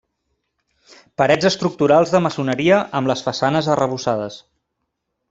Parets estructurals de maçoneria amb les façanes arrebossades.